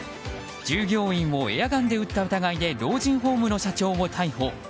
従業員をエアガンで撃った疑いで老人ホームの社長を逮捕。